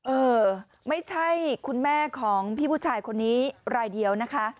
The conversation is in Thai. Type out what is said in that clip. เออไม่ใช่คุณแม่ของพี่ผู้ชายคนนี้รายเดียวนะคะ